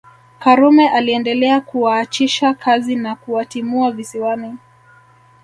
Karume aliendelea kuwaachisha kazi na kuwatimua Visiwani